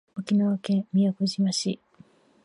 沖縄県宮古島市